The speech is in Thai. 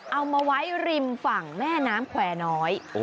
เอามาไว้ริมฝั่งแม่น้ำแควร์น้อย